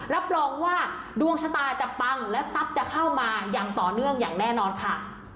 รับรองว่าดวงชะตาจะปังและทรัพย์จะเข้ามาอย่างต่อเนื่องอย่างแน่นอนค่ะ